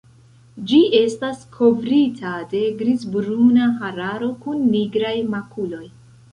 Ĝi estas kovrita de grizbruna hararo kun nigraj makuloj.